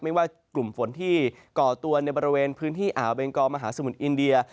ไม่ว่ากลุ่มฝนที่ก่อตัวในบริเวณพื้นที่อ่าวเบงกอมหาสมุทรอินเดีย